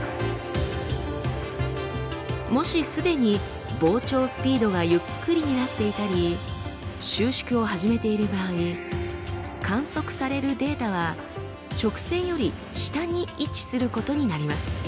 もしすでに膨張スピードがゆっくりになっていたり収縮を始めている場合観測されるデータは直線より下に位置することになります。